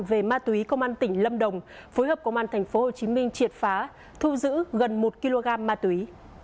về ma túy công an tỉnh lâm đồng phối hợp công an tp hcm triệt phá thu giữ gần một kg ma túy